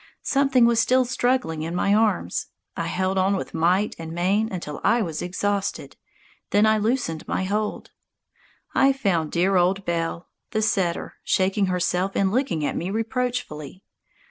Something was still struggling in my arms. I held on with might and main until I was exhausted, then I loosed my hold. I found dear old Belle, the setter, shaking herself and looking at me reproachfully.